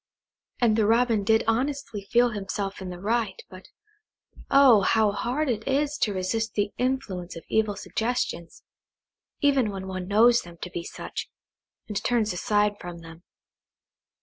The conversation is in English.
And the Robin did honestly feel himself in the right but, oh! how hard it is to resist the influence of evil suggestions, even when one knows them to be such, and turns aside from them.